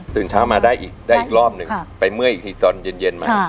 ตื่นเช้ามาได้อีกรอบหนึ่งไปเมื่อยอีกทีตอนเย็น